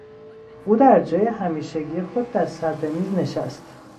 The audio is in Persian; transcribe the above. او در جای همیشگی خود در صدر میز نشست.